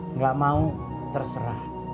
nggak mau terserah